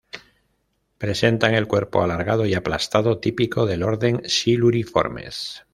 Presentan el cuerpo alargado y aplastado típico del orden Siluriformes.